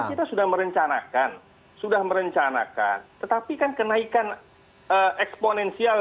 kita sudah merencanakan sudah merencanakan tetapi kan kenaikan eksponensial